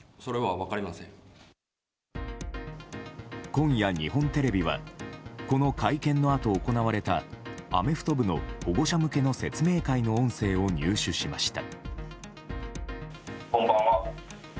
今夜、日本テレビはこの会見のあと行われたアメフト部の保護者向けの説明会の音声を入手しました。